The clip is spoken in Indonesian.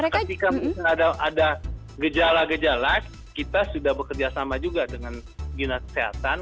ketika ada gejala gejala kita sudah bekerja sama juga dengan dinas kesehatan